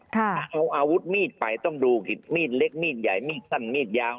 ถ้าเอาอาวุธมีดไปต้องดูมีดเล็กมีดใหญ่มีดสั้นมีดยาว